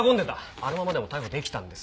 あのままでも逮捕できたんです。